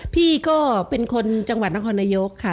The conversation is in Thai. พี่ก็เป็นคนจังหวัดนครนายกค่ะ